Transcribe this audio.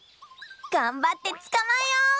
がんばってつかまえよう！